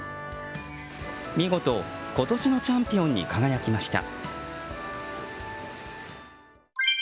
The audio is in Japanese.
見事、今年のチャンピオンに輝きました。